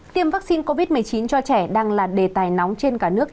tiêm vaccine covid một mươi chín cho trẻ đang là đề tài nóng trên cả nước